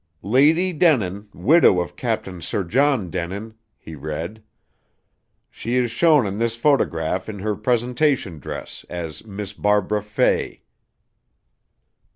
"Lady Denin, widow of Captain Sir John Denin," he read. "She is shown in this photograph in her presentation dress, as Miss Barbara Fay."